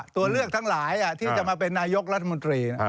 ตัวเลือกทั้งหลายที่จะมาเป็นนายกรัฐมนตรี